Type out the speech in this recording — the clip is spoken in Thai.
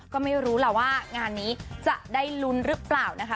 ก็ไม่รู้หล่ะว่างานนี้จะได้ลุ้นความรับฉรับหรือปล่าวนะคะ